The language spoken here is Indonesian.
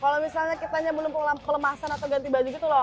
kalau misalnya kitanya belum kelemasan atau ganti baju gitu loh